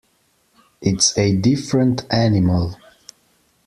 It's a different animal.